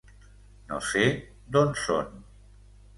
No sé d'on són...